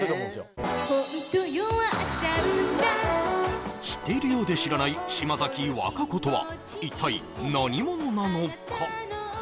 僕もホント弱っちゃうんだ知っているようで知らない島崎和歌子とは一体何者なのか？